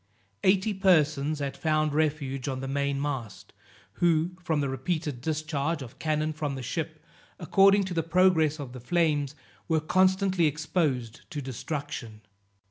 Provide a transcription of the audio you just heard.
Eighty persons had found refuge on the main mast, who, from the repeated discharge of cannon from the ship, according to the progress of the flames, were constantly exposed to destruction.